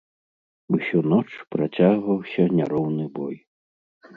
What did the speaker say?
Усю ноч працягваўся няроўны бой.